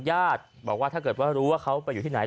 ญาติบอกว่าถ้าเกิดว่ารู้ว่าเขาไปอยู่ที่ไหน